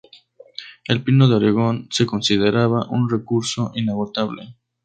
El pino de Oregon se consideraba un recurso inagotable.